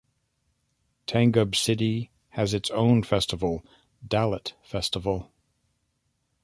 Tangub City has its own festival - Dalit Festival.